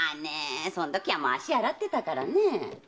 そんときはもう足洗ってたからねえ。